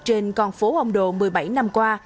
trên con phố ông đồ một mươi bảy năm qua